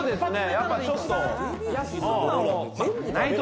やっぱちょっと。